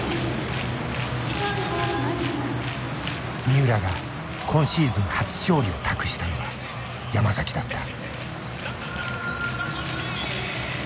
三浦が今シーズン初勝利を託したのは山だった。